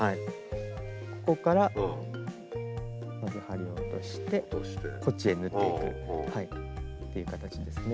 こっからまず針を落としてこっちへ縫っていくっていう形ですね。